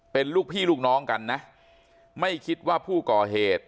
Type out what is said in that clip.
เป็นลูกพี่ลูกน้องกันนะไม่คิดว่าผู้ก่อเหตุ